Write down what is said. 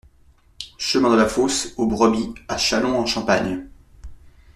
Chemin de la Fosse aux Brebis à Châlons-en-Champagne